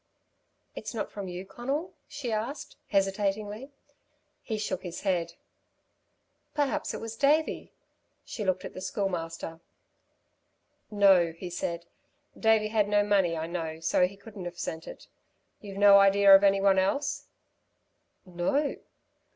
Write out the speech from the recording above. "It's not from you, Conal?" she asked, hesitatingly. He shook his head. "Perhaps it was Davey?" She looked at the Schoolmaster. "No," he said, "Davey had no money, I know, so he couldn't have sent it. You've no idea of any one else?" "No."